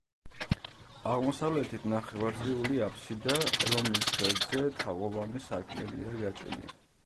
აღმოსავლეთით ნახევარწრიული აფსიდა, რომლის ღერძზე თაღოვანი სარკმელია გაჭრილი.